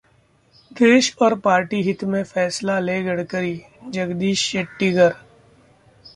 देश और पार्टी हित में फैसला लें गडकरी: जगदीश शेट्टीगर